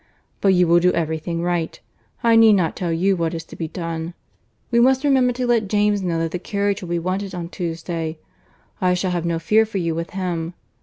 But you will do every thing right. I need not tell you what is to be done. We must remember to let James know that the carriage will be wanted on Tuesday. I shall have no fears for you with him.